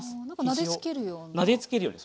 なんかなでつけるような。